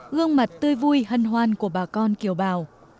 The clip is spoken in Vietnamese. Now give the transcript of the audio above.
gương mặt tươi vui hân hoan của bà con kiều bào